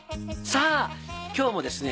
さぁ今日もですね